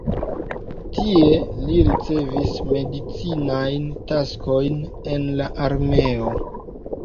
Tie li ricevis medicinajn taskojn en la armeo.